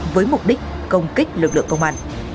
với mục đích công kích lực lượng công an